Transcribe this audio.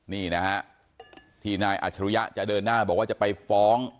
นี่นะฮะที่นายอัชรุยะจะเดินหน้าบอกว่าจะไปฟ้อง